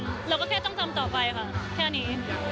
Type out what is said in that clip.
เราก็แค่ต้องทำต่อไปค่ะแค่นี้